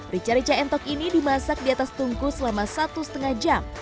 richa richa entok ini dimasak di atas tungku selama satu setengah jam